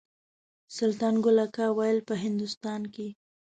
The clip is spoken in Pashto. سلطان ګل اکا ویل په هندوستان کې.